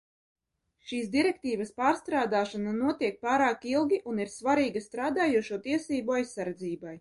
Šīs direktīvas pārstrādāšana notiek pārāk ilgi un ir svarīga strādnieku tiesību aizsardzībai.